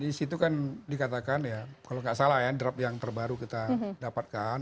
di situ kan dikatakan ya kalau nggak salah ya draft yang terbaru kita dapatkan